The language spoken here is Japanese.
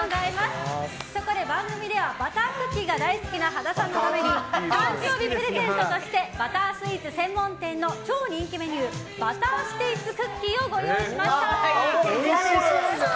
そこで、番組ではバタースイーツが好きな羽田さんのために誕生日プレゼントとしてバタースイーツ専門店の超人気メニューバターステイツクッキーをご用意しました。